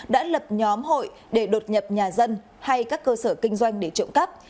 đã lập nhóm hội để đột nhập nhà dân hay các cơ sở kinh doanh để trộm cắp